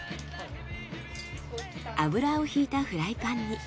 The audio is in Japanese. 油をひいたフライパンに。